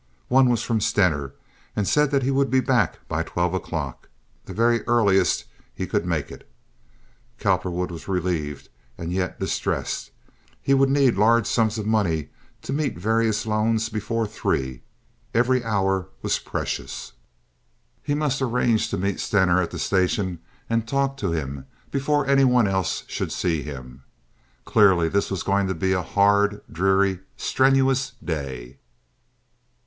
One was from Stener and said that he would be back by twelve o'clock, the very earliest he could make it. Cowperwood was relieved and yet distressed. He would need large sums of money to meet various loans before three. Every hour was precious. He must arrange to meet Stener at the station and talk to him before any one else should see him. Clearly this was going to be a hard, dreary, strenuous day.